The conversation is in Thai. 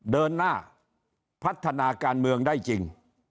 เดินหน้าพัฒนาการเมืองได้จริง